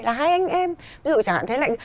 là hai anh em ví dụ chẳng hạn thế lại